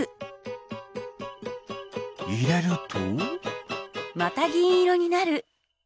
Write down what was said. いれると？